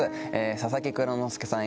佐々木蔵之介さん